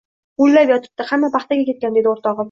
huvillab yotibdi, hamma paxtaga ketgan», dedi o‘rtog‘im.